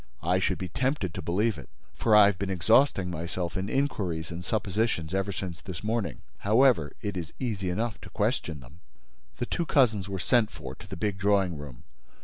I should be tempted to believe it, for I have been exhausting myself in inquiries and suppositions ever since this morning. However, it is easy enough to question them." The two cousins were sent for to the big drawing room.